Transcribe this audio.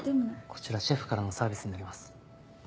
こちらシェフからのサービスになります。